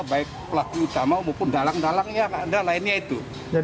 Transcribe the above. baik pelaku utama maupun dalang dalang yang ada lainnya itu